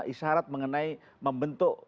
isyarat mengenai membentuk